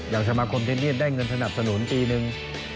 อย่างสมาคมเทรนดิสได้เงินสนับสนุนปีหนึ่ง